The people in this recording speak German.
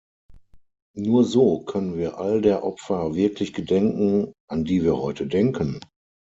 Nur so können wir all der Opfer wirklich gedenken, an die wir heute denken.